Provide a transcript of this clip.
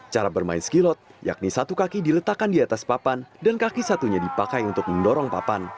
cara bermain skilot yakni satu kaki diletakkan di atas papan dan kaki satunya dipakai untuk mendorong papan